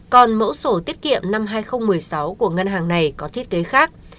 còn mẫu sổ tiết kiệm năm hai nghìn một mươi sáu của ngân hàng này có thiết kế khác